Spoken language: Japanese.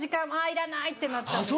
いらない！ってなっちゃうんです。